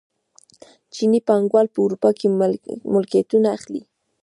چیني پانګوال په اروپا کې ملکیتونه اخلي.